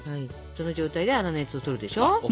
その状態で粗熱をとるでしょ。